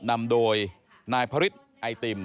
นำโดยนายพระฤทธิ์ไอติม